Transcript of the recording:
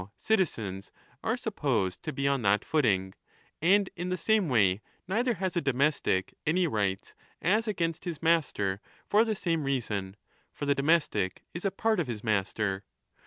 Now citizens are supposed to be on that footing. And in the same way neither has a domestic any rights as against his master for the same reason. For the domestic is a part of his master.